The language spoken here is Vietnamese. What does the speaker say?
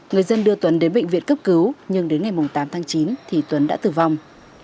người dân đưa tuấn đến bệnh viện cấp cứu nhưng đến ngày tám tháng chín thì tuấn đã tử vong